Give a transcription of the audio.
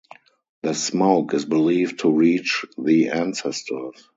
The smoke is believed to reach the ancestors.